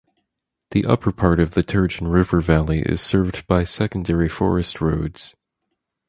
The upper part of the Turgeon River valley is served by secondary forest roads.